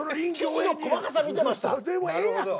でもええやんか。